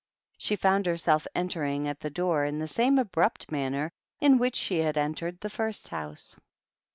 She found herself entering at the door in the same abrupt manner in which she had entered the first house.